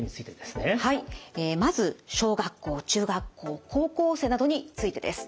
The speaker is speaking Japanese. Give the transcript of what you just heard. まず小学校中学校高校生などについてです。